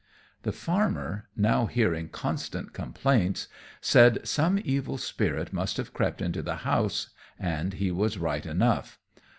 The farmer, now hearing constant complaints, said some evil spirit must have crept into the house; and he was right enough.